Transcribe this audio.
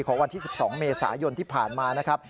วันที่๑๒เมษายนที่ผ่านมานะครับ